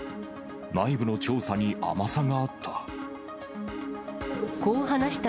内部の調査に甘さがあった。